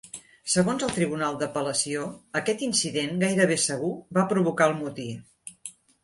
Segons el tribunal d'apel·lació, aquest incident gairebé segur va provocar el motí.